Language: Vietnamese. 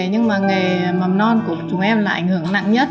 nhưng mà nghề mầm non của chúng em là ảnh hưởng nặng nhất